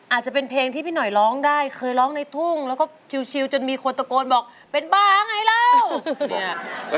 อาจจะเป็นเพลงที่พี่หน่อยร้องได้เคยร้องในทุ่งแล้วก็ชิวจนมีคนตะโกนบอกเป็นบ้าไงเล่าเนี่ย